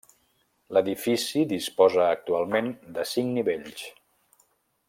L'edifici disposa actualment de cinc nivells.